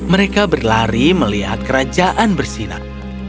mereka berlari melihat kerajaan bersinak